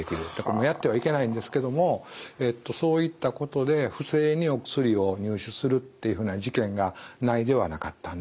やってはいけないんですけどもそういったことで不正にお薬を入手するっていうふうな事件がないではなかったんですね。